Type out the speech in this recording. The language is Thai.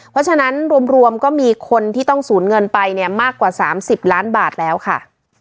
เพราะฉะนั้นรวมก็มีคนที่ต้องสูญเงินไปเนี่ยมากกว่า๓๐ล้านบาทแล้วค่ะ